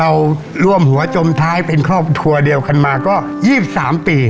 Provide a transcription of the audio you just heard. เราร่วมหัวจมท้ายเป็นครอบครัวเดียวกันมาก็๒๓ปี